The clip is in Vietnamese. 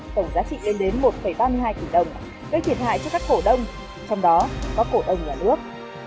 tổng giá trị lên đến một ba mươi hai tỷ đồng gây thiệt hại cho các cổ đông trong đó có cổ đông là nước